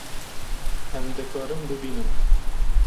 Em dikarin bibînin